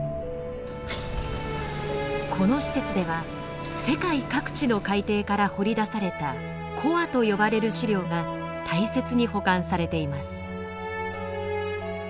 この施設では世界各地の海底から掘り出されたコアと呼ばれる試料が大切に保管されています。